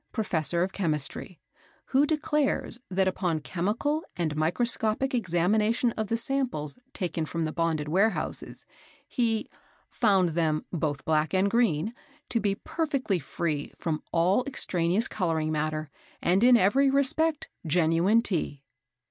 Professor of Chemistry, who declares that upon chemical and microscopic examination of the samples taken from the bonded warehouses, he "found them (both black and green) to be perfectly free from all extraneous colouring matter, and in every respect genuine Tea."